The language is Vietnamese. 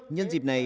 nhân dịp này